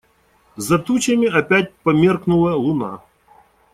За тучами опять померкнула луна.